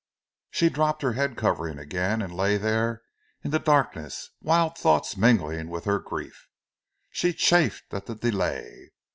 She dropped her head covering again and lay there in the darkness, wild thoughts mingling with her grief. She chafed at the delay.